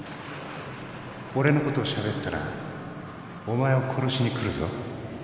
俺のことをしゃべったらお前を殺しに来るぞ。